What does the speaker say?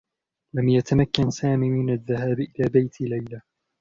لم يتمكن سامي من الذهاب إلى بيت ليلى.